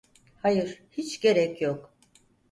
Hayır, hiç gerek yok.